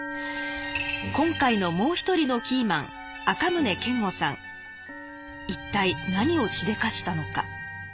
今回のもう一人のキーマン一体何をしでかしたのか？